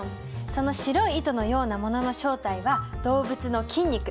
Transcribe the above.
その白い糸のようなものの正体は動物の筋肉。